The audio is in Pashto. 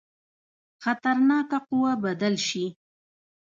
خطرناکه قوه بدل شي.